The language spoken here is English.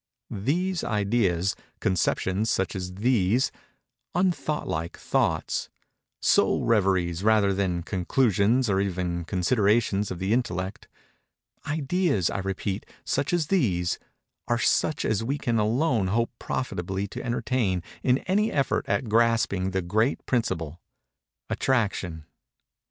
These ideas—conceptions such as these—unthoughtlike thoughts—soul reveries rather than conclusions or even considerations of the intellect:—ideas, I repeat, such as these, are such as we can alone hope profitably to entertain in any effort at grasping the great principle, Attraction.